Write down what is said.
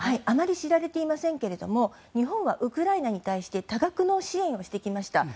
あまり知られていませんが日本はウクライナに対して多額の支援をしてきました。